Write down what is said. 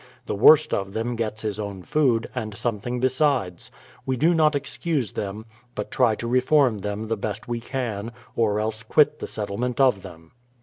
The worst of them gets his own food, and something besides. We do not excuse them, but try to reform them the best we can, — or else quit the settlement of them.